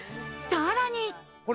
さらに。